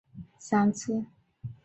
昨晚就已经劈腿三次